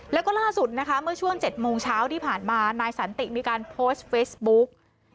แล้วก็ล่าสุดนะคะเมื่อช่วง๗โมงเช้าที่ผ่านมานายสันติมีการโพสต์เฟซบุ๊ก